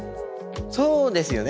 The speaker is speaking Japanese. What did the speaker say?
そうですよね。